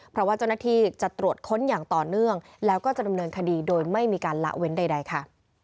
เพราะว่าเจ้าหน้าที่จะตรวจค้นอย่างต่อเนื่องแล้วก็จะดำเนินคดีโดยไม่มีการละเว้นใดค่ะ